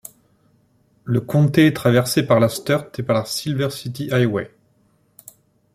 Le Comté est traversé par la Sturt et par la Silver City Highway.